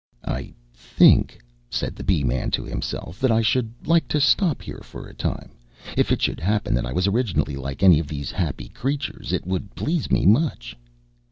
"I think," said the Bee man to himself, "that I should like to stop here for a time. If it should happen that I was originally like any of these happy creatures it would please me much."